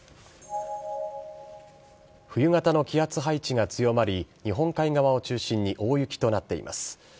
冬型の気圧配置が強まり、日本海側を中心に大雪となっています。